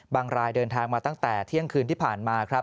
รายเดินทางมาตั้งแต่เที่ยงคืนที่ผ่านมาครับ